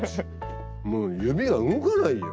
もう指が動かないよ